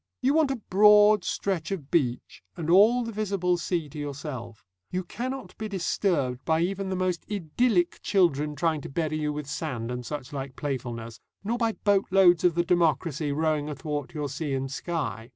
You want a broad stretch of beach and all the visible sea to yourself. You cannot be disturbed by even the most idyllic children trying to bury you with sand and suchlike playfulness, nor by boatloads of the democracy rowing athwart your sea and sky.